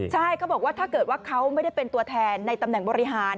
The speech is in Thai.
ใช่เขาบอกว่าถ้าเกิดว่าเขาไม่ได้เป็นตัวแทนในตำแหน่งบริหาร